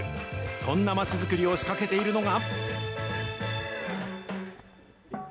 そんな街づくりを仕掛けているのが。